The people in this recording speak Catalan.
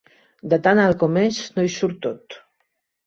De tan alt com és no hi surt tot.